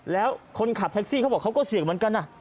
แล้วคนขับแท็กซี่เขาบอกเขาก็เสี่ยงเหมือนกัน